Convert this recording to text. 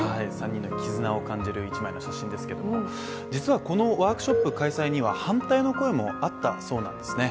３人の絆を感じる一枚の写真ですけれども、実はこのワークショップ開催には反対の声もあったそうなんですね。